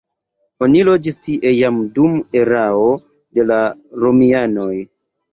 Oni loĝis tie jam dum erao de la romianoj.